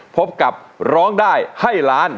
พบกับร้องได้ให้ล้าน